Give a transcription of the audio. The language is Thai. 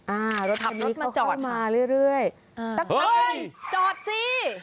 อ่ารถทางนี้เขาเข้ามาเรื่อยสักครั้งนี้เฮ้ยจอดสิ